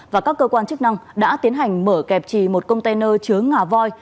và các cơ quan chức năng đã tiến hành mở kẹp trì một container chứa ngà voi